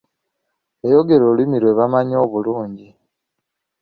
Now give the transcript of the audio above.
Yayogera olulimi lwe bamanyi obulungi.